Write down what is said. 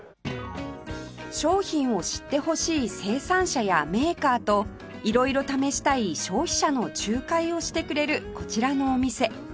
商品を知ってほしい生産者やメーカーと色々試したい消費者の仲介をしてくれるこちらのお店